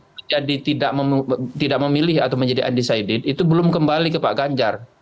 menjadi tidak memilih atau menjadi undecided itu belum kembali ke pak ganjar